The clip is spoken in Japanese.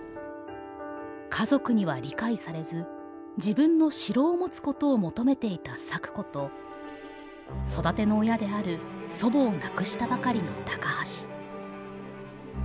家族には理解されず自分の城を持つことを求めていた咲子と育ての親である祖母を亡くしたばかりの高橋。